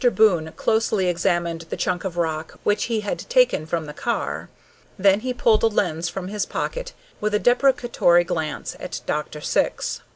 Boon closely examined the chunk of rock which he had taken from the car. Then he pulled a lens from his pocket, with a deprecatory glance at Dr. Syx.